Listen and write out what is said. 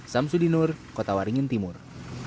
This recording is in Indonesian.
samsudi nur kota waringin timur